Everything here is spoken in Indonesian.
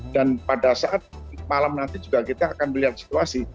dan pada saat malam nanti juga kita akan melihat situasi